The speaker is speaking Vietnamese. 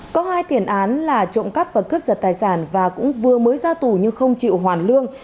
có hai tiền án là trộm cắp và cướp giật tài sản và cũng vừa mới ra tù nhưng không chịu hoàn lương